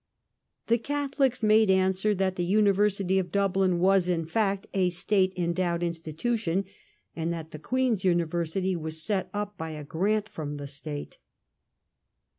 The Catholics made answer that the Uni versity of Dublin was in fact a State endowed in stitution, and that the Queen s University was set up by a grant from the State.